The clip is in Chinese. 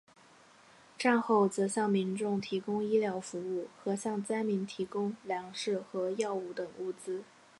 战后则向民众提供医疗服务和向灾民提供粮食和药物等物资。